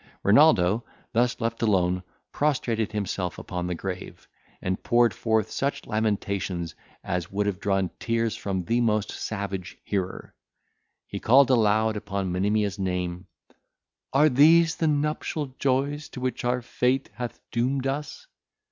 Renaldo, thus left alone, prostrated himself upon the grave, and poured forth such lamentations as would have drawn tears from the most savage hearer. He called aloud upon Monimia's name, "Are these the nuptial joys to which our fate hath doomed us?